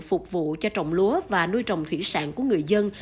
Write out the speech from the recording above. phục vụ cho trồng lúa và nuôi trồng thủy sản của người dân